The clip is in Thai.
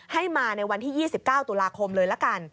ให้มาในวันที่๒๙ตุลาคมเลยละกัน